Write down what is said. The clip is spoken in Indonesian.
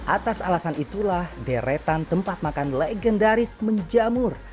atas alasan itulah deretan tempat makan legendaris menjamur